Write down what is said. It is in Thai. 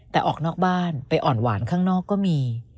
แต่ออกนอกบ้านไปอ่อนหวานข้างนอกก็มี